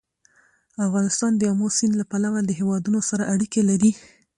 افغانستان د آمو سیند له پلوه له هېوادونو سره اړیکې لري.